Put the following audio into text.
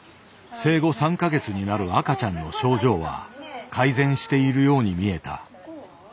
生後３か月になる赤ちゃんの症状は改善しているように見えた。